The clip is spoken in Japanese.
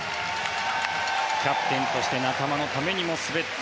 キャプテンとして仲間のためにも滑った。